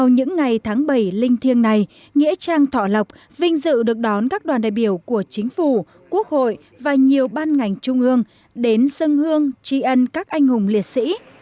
những ngày tháng bảy linh thiêng này nghĩa trang thọ lộc vinh dự được đón các đoàn đại biểu của chính phủ quốc hội và nhiều ban ngành trung ương đến sân hương tri ân các anh hùng liệt sĩ